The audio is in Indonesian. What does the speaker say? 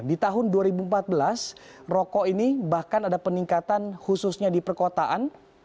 di tahun dua ribu empat belas rokok ini bahkan ada peningkatan khususnya di perkotaan